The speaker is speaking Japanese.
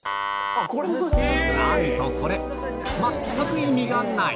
なんとこれ、全く意味がない！